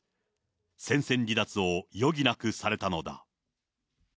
戦線離脱を余儀なくされたのだ。